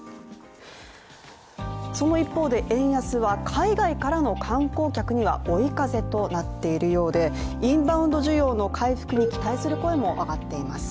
その一方で、円安は海外からの観光客には追い風となっているようでインバウンド需要の回復に期待する声も上がっています。